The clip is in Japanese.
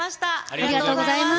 ありがとうございます。